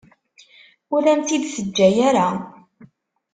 Ur am-tt-id-teǧǧa ara.